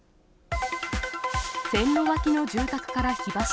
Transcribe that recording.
線路脇の住宅から火柱。